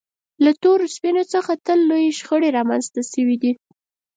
له تورو سپینو څخه تل لویې شخړې رامنځته شوې دي.